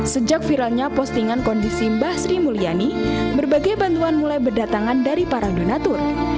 sejak viralnya postingan kondisi mbah sri mulyani berbagai bantuan mulai berdatangan dari para donatur